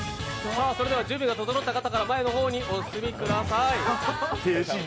それでは準備が整った方から前の方にお進みください。